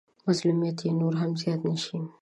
مظلوميت يې نور هم زيات نه شي.